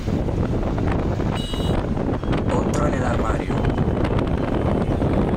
Otro en el armario.